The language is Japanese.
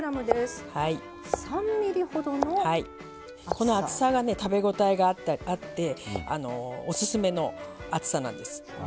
この厚さがね食べ応えがあっておすすめの厚さなんです。